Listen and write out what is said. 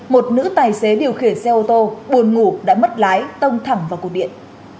một nữ tài xế điều khiển xe ô tô buồn ngủ đã mất lái tông thẳng vào cột điện